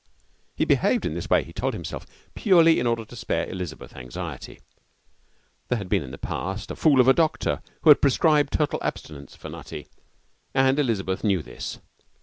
He behaved in this way, he told himself, purely in order to spare Elizabeth anxiety. There had been in the past a fool of a doctor who had prescribed total abstinence for Nutty, and Elizabeth knew this.